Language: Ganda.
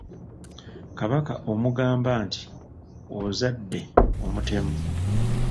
Kabaka omugamba nti ozadde omutemu.